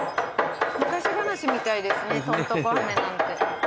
昔話みたいですねとんとこ飴なんて。